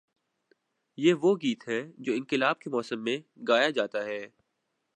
یہ وہ گیت ہے جو انقلاب کے موسم میں گایا جاتا ہے۔